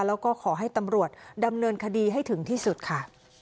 แล้วก็ขอให้ตำรวจดำเนินคดีให้ถึงที่สุดค่ะ